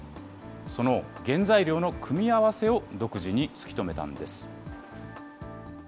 その原材料の組み合わせを独自に突き止めたんです。